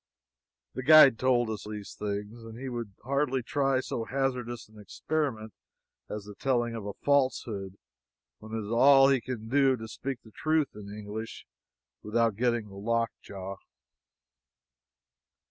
The guide told us these things, and he would hardly try so hazardous an experiment as the telling of a falsehood, when it is all he can do to speak the truth in English without getting the lock jaw.